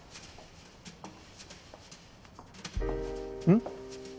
ん？